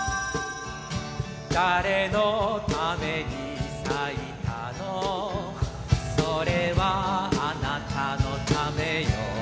誰のために咲いたのそれはあなたのためよ。